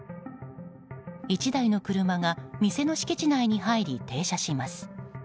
１台の車が店の敷地内に入り停車します。